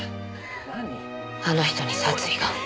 あの人に殺意が。